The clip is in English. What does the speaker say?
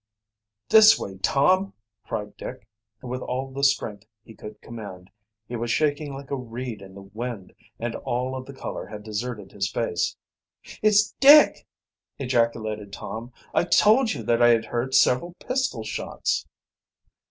"This way, Tom!" cried Dick, with all the strength he could command. He was shaking like a reed in the wind and all of the color had deserted his face. "It's Dick!" ejaculated Tom. "I told you that I had heard several pistol shots."